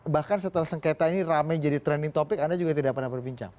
bahkan setelah sengketa ini ramai jadi trending topic anda juga tidak pernah berbincang